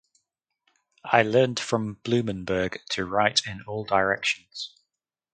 I learned from Blumenberg to write in all directions.